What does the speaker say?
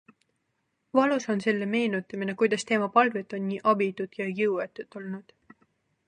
Valus on selle meenutamine, kuidas tema palved on nii abitud ja jõuetud olnud.